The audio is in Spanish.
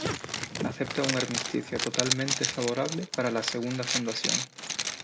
Acepta un armisticio totalmente favorable para la Segunda Fundación.